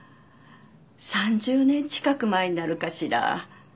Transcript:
３０年近く前になるかしら。